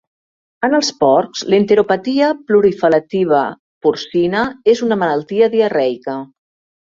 En els porcs, l'enteropatia proliferativa porcina és una malaltia diarreica.